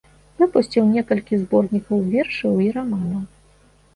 Выпусціў некалькі зборнікаў вершаў і раманаў.